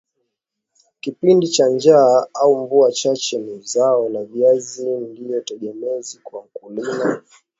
kipindi cha njaa au mvua chache ni zao la viazi ndio tegemezi kwa mkulima